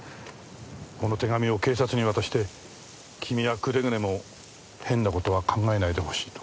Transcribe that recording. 「この手紙を警察に渡して君はくれぐれも変な事は考えないでほしい」と。